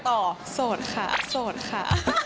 โสดค่ะโสดค่ะ